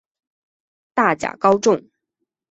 大甲高中